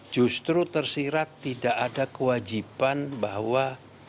justru tersirat tidak ada kewajiban bahwa